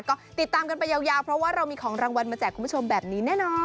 ก็ติดตามกันไปยาวเพราะว่าเรามีของรางวัลมาแจกคุณผู้ชมแบบนี้แน่นอน